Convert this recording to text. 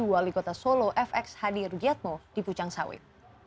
wali kota solo fx hadi rugiatmo di pucang sawit